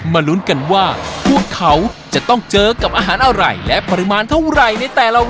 ลุ้นกันว่าพวกเขาจะต้องเจอกับอาหารอะไรและปริมาณเท่าไหร่ในแต่ละวัน